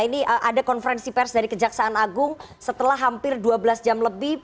ini ada konferensi pers dari kejaksaan agung setelah hampir dua belas jam lebih